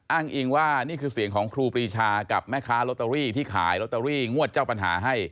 อ้างอิงว่านี่คือเสียงของครูปรีชากับแม่ค้าลอตเตอรี่ที่ขายลอตเตอรี่งวดเจ้าปัญหาให้